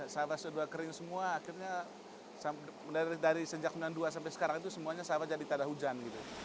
sawah sudah kering semua akhirnya dari sejak sembilan puluh dua sampai sekarang itu semuanya sawah jadi tada hujan